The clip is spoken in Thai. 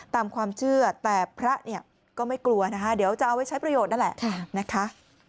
ตามความเชื่อแต่พระเนี่ยก็ไม่กลัวนะคะเดี๋ยวจะเอาไว้ใช้ประโยชน์นั่นแหละนะคะ